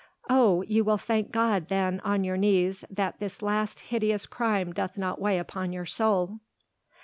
Oh! you will thank God then on your knees, that this last hideous crime doth not weigh upon your soul."